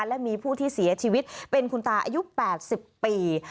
และมีผู้ที่เสียชีวิตเป็นคุณตาอายุ๘๐ปี